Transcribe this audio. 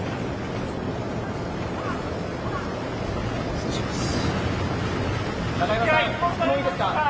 失礼します。